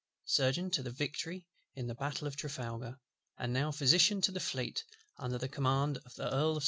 Surgeon to the Victory in the Battle of Trafalgar, and now Physician to the Fleet under the Command of the Earl of St. Vincent, K.